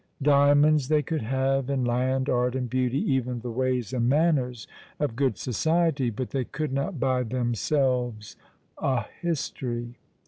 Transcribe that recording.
Diamonds they could have, and land, art, and beauty, even the ways and manners of good society, but they could not buy themselves a history.